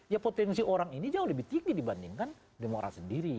ya potensi orang ini jauh lebih tinggi dibandingkan demokrat sendiri